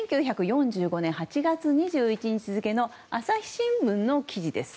１９４５年８月２１日付の朝日新聞の記事です。